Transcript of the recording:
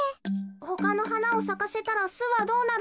ほかのはなをさかせたらすはどうなるの？